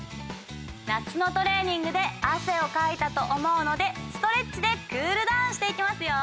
夏のトレーニングであせをかいたとおもうのでストレッチでクールダウンしていきますよ！